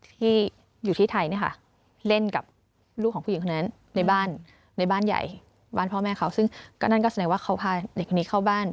ที่อยู่ที่ไทยเนี่ยค่ะเล่นกับลูกของผู้หญิงคนนั้นในบ้าน